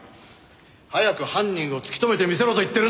早く犯人を突き止めてみせろと言ってるんだ。